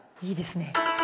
いいですね。